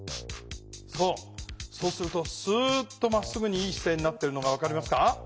そうするとスーッとまっすぐにいい姿勢になってるのが分かりますか？